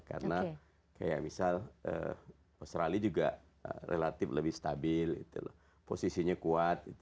karena kayak misal australia juga relatif lebih stabil posisinya kuat